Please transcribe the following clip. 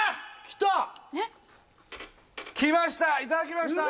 きました